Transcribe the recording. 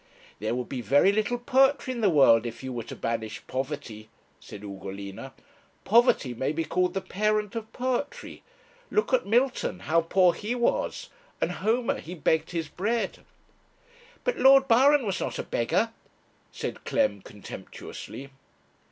'There would be very little poetry in the world if you were to banish poverty,' said Ugolina. 'Poverty may be called the parent of poetry. Look at Milton, how poor he was; and Homer, he begged his bread.' 'But Lord Byron was not a beggar,' said Clem, contemptuously.